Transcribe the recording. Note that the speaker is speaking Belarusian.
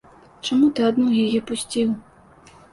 Чаму ты адну яе пусціў?